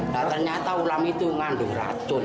nah ternyata ulam itu mengandung racun